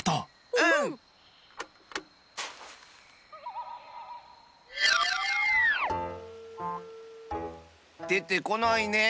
うん！でてこないね。